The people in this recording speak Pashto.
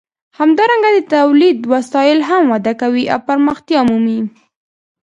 همدارنګه د تولید وسایل هم وده کوي او پراختیا مومي.